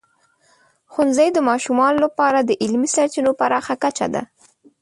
ښوونځی د ماشومانو لپاره د علمي سرچینو پراخه کچه ده.